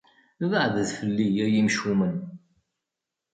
Beɛdet fell-i, ay imcumen.